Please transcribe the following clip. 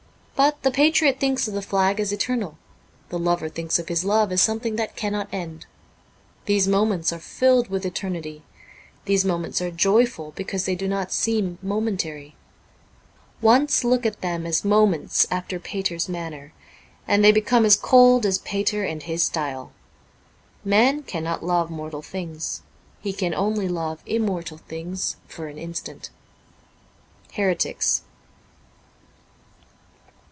But the patriot thinks of the flag as eternal ; the lover thinks of his love as something that cannot end. These moments are filled with eternity ; these moments are joyful because they do not seem momentary. Once look at them as moments after Pater's manner, and they become as cold as Pater and his style. Man cannot love mortal things. He can only love immortal things for an instant. ' Heretics.